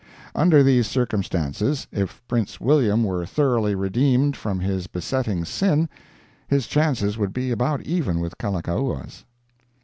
Under these circumstances, if Prince William were thoroughly redeemed from his besetting sin, his chances would be about even with Kalakaua's.